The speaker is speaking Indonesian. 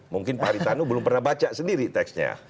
mungkin pak ritanu belum pernah baca sendiri teksnya